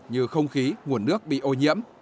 như không khí nguồn nước bị ô nhiễm